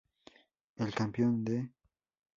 El campeón de Mr.